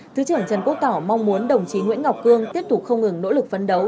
thứ trưởng trần quốc tỏ mong muốn đồng chí nguyễn ngọc cương tiếp tục không ngừng nỗ lực phấn đấu